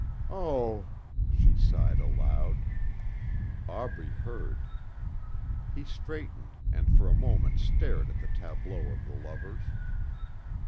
"Oh," she sighed aloud. Aubrey heard. He straightened and for a moment stared at the tableau of the lovers.